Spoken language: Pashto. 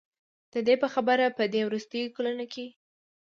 د دې په خبره په دې وروستیو کلونو کې